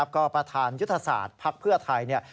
ก็ประธานยุทธศาสตร์ภักดิ์เพื่อไทย